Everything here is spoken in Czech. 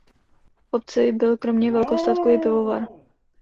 V obci byl kromě velkostatku i pivovar.